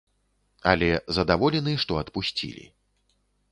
Але задаволены, што адпусцілі.